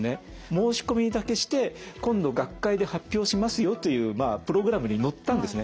申し込みだけして今度学会で発表しますよというプログラムに載ったんですね。